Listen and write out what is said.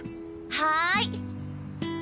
はい。